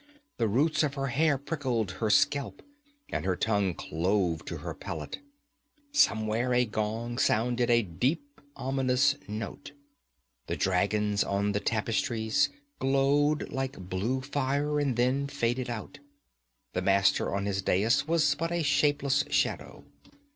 The roots of her hair prickled her scalp, and her tongue clove to her palate. Somewhere a gong sounded a deep, ominous note. The dragons on the tapestries glowed like blue fire, and then faded out. The Master on his dais was but a shapeless shadow.